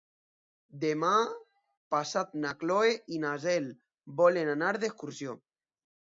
Demà passat na Cloè i na Cel volen anar d'excursió.